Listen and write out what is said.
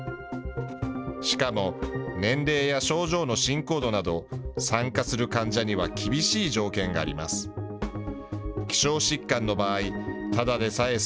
しかも、年齢や症状の進行度など、参加する患者には厳しい条件があります。